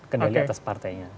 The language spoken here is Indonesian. kendali atas partainya